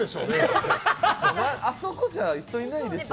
あそこじゃ人いないでしょ。